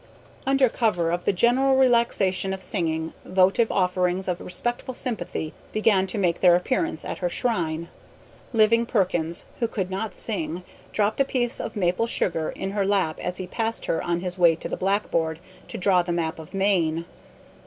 Under cover of the general relaxation of singing, votive offerings of respectful sympathy began to make their appearance at her shrine. Living Perkins, who could not sing, dropped a piece of maple sugar in her lap as he passed her on his way to the blackboard to draw the map of Maine.